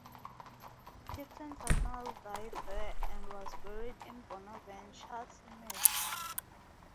Captain Tattnall died there and was buried in Bonaventure Cemetery.